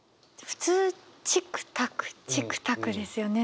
普通「チックタックチックタック」ですよね。